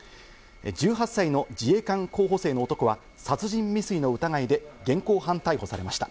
１８歳の自衛官候補生の男は殺人未遂の疑いで現行犯逮捕されました。